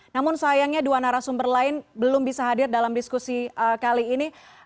namun sayangnya dua narasumber lain belum bisa hadir dalam diskusi kali ini